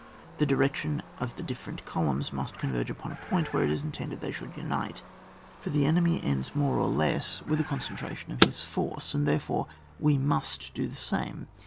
The direction of the different columns must converge upon a point where it is intended they should unite ; for the enemy ends more or less with a concentration of his force, and therefore we must do the same.